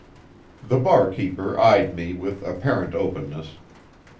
The barkeeper eyed me with apparent openness.